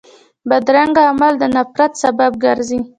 بدرنګه عمل د نفرت سبب ګرځي